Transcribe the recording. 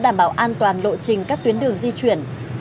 đảm bảo an toàn lộ trình các tuyến đường di chuyển